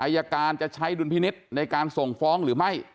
อายการจะใช้ดุลพินิษฐ์ในการส่งฟ้องหรือไม่